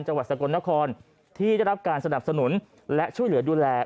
จังหวัดสกลนครที่ได้รับการสนับสนุนและช่วยเหลือดูแล